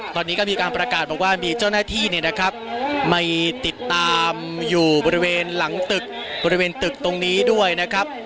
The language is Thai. ตอนนี้ก็มีการประกาศบอกว่ามีเจ้าหน้าที่เนี่ยนะครับมาติดตามอยู่บริเวณหลังตึกบริเวณตึกตรงนี้ด้วยนะครับ